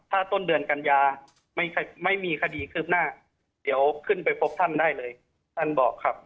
ถ้าต้นเดือนกันยาไม่มีคดีคืบหน้าเดี๋ยวขึ้นไปพบท่านได้เลยท่านบอกครับ